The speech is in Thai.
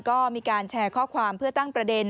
ก็มีการแชร์ข้อความเพื่อตั้งประเด็น